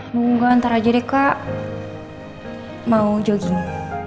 nunggu ntar aja deh kak mau jogging